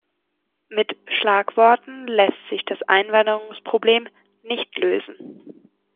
Mit Schlagworten lässt sich das Einwanderungsproblem nicht lösen.